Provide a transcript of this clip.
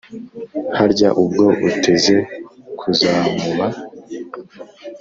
harya ubwo uteze kuzamuba